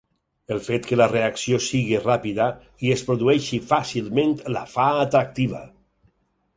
El fet que la reacció sigui ràpida i es produeixi fàcilment la fa atractiva.